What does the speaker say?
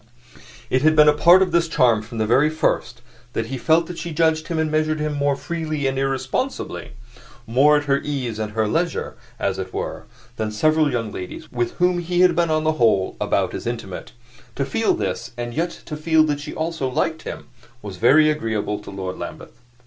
It had been a part of this charm from the first that he felt that she judged him and measured him more freely and irresponsibly more at her ease and her leisure, as it were than several young ladies with whom he had been on the whole about as intimate. To feel this, and yet to feel that she also liked him, was very agreeable to Lord Lambeth.